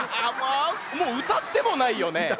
もううたってもないよね？